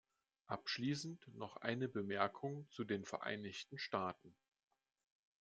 Abschließend noch eine Bemerkung zu den Vereinigten Staaten.